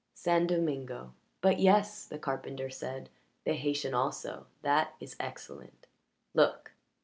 "San Domingo but yes," the carpenter said; "the Haytian also that is excellent. Look!"